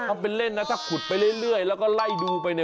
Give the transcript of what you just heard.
ทำเป็นเล่นนะถ้าขุดไปเรื่อยแล้วก็ไล่ดูไป